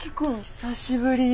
久しぶり！